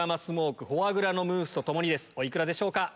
お幾らでしょうか？